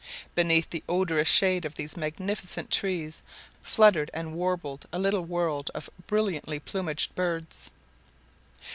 Beneath the odorous shade of these magnificent trees fluttered and warbled a little world of brilliantly plumaged birds.